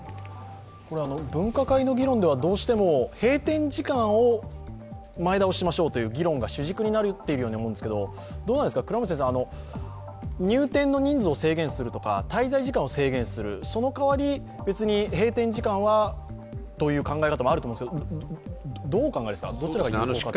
分科会の議論ではどうしても閉店時間を前倒しましょうという議論が主軸になっているように思うんですけど、入店の人数を制限するとか、滞在時間を制限する、そのかわり、別に閉店時間はという考え方もあると思いますがどうお考えですか、どちらがいいとか。